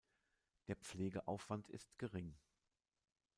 Der Pflegeaufwand ist gering.